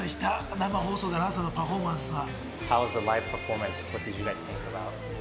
生放送、朝からのパフォーマンスは？